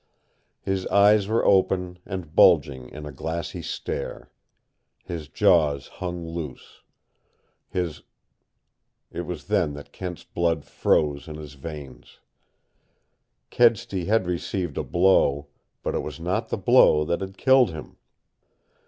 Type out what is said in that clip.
His eyes were open and bulging in a glassy stare. His jaws hung loose. His It was then Kent's blood froze in his veins. Kedsty had received a blow, but it was not the blow that had killed him.